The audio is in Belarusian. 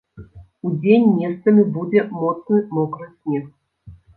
Удзень месцамі будзе моцны мокры снег.